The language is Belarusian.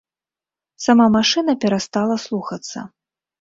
Сама машына перастала слухацца.